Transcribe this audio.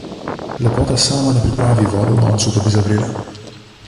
Lepota sama ne pripravi vode v loncu, da bi zavrela.